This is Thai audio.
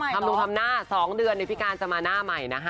ทำลงทำหน้า๒เดือนพี่การจะมาหน้าใหม่นะคะ